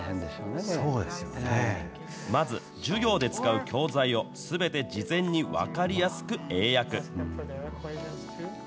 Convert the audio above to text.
まず、授業で使う教材をすべて事前に分かりやすく英訳。